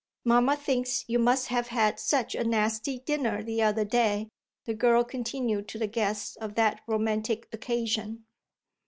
Mamma thinks you must have had such a nasty dinner the other day," the girl continued to the guest of that romantic occasion.